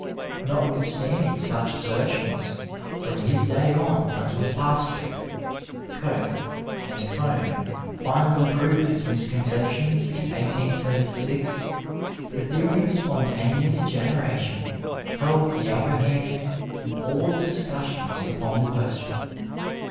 Notwithstanding such assertions, from his day on until Pasteur, Koch, and Cohn finally proved its misconceptions in 1876, the theory of spontaneous generation held the upper hand in all discussions upon the question.